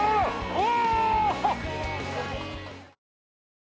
おお！